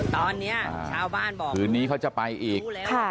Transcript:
ตอนนี้ชาวบ้านบอกคืนนี้เขาจะไปอีก